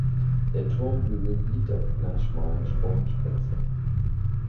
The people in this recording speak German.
Der Turmhügel liegt auf einer schmalen Spornspitze.